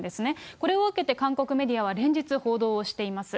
これを受けて韓国メディアは、連日報道をしています。